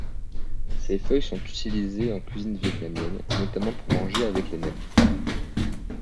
Ses feuilles sont utilisées en cuisine vietnamienne, notamment pour manger avec les nems.